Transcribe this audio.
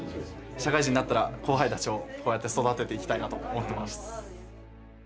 社会人になったら後輩たちをこうやって育てていきたいなと思ってます。